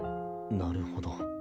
なるほど。